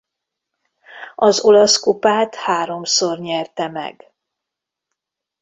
Az olasz kupát háromszor nyerte meg.